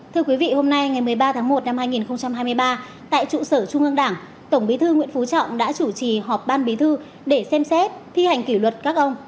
thưa quý vị hôm nay ngày một mươi ba tháng một năm hai nghìn hai mươi ba tại trụ sở trung ương đảng tổng bí thư nguyễn phú trọng đã chủ trì họp ban bí thư để xem xét thi hành kỷ luật các ông